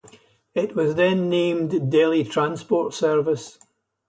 It was then named "Delhi Transport Service".